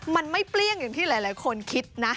มันไม่เปรี้ยงอย่างที่หลายคนคิดนะ